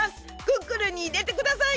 クックルンにいれてください！